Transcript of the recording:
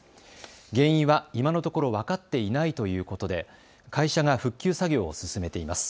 原因は今のところ分かっていないということで会社が復旧作業を進めています。